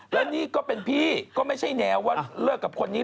และนี่ก็เป็นพี่ก็ไม่ใช่แนวว่าเลิกกับคนนี้